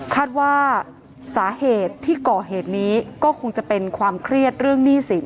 คาดว่าสาเหตุที่ก่อเหตุนี้ก็คงจะเป็นความเครียดเรื่องหนี้สิน